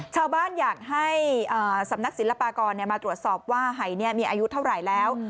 อยากให้สำนักศิลปากรมาตรวจสอบว่าหายมีอายุเท่าไหร่แล้ว